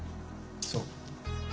そう。